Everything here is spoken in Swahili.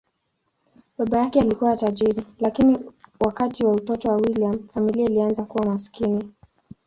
Baba yake alikuwa tajiri, lakini wakati wa utoto wa William, familia ilianza kuwa maskini.